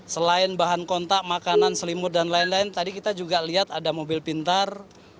selain bahan kontak makanan selimut dan lain lain tadi kita juga lihat ada mobil pintar